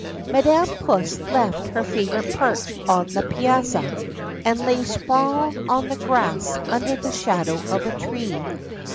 Madam Puss left her favorite perch on the piazza, and lay sprawled on the grass under the shadow of a tree.